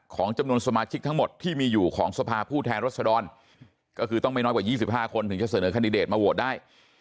ของจำนวนสมาชิกทั้งหมดที่มีอยู่ของสภาผู้แทนรัศดรก็คือต้องไม่น้อยกว่า๒๕คนถึงจะเสนอคันดิเดตมาโหวตได้